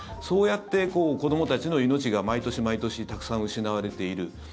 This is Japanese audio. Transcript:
そうやって子どもたちの命が毎年毎年たくさん失われている。